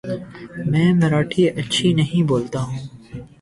میں مراٹھی اچھی نہیں بولتا ہوں ـ